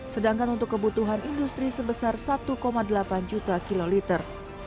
sedangkan untuk kebutuhan industri sebesar satu delapan juta kiloliter